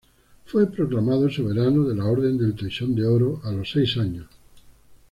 Fue proclamado soberano de la Orden del Toisón de Oro a los seis años.